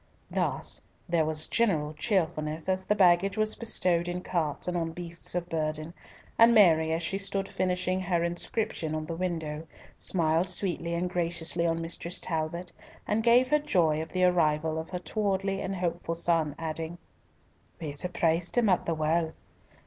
Thus there was general cheerfulness, as the baggage was bestowed in carts and on beasts of burthen, and Mary, as she stood finishing her inscription on the window, smiled sweetly and graciously on Mistress Talbot, and gave her joy of the arrival of her towardly and hopeful son, adding, "We surprised him at the well!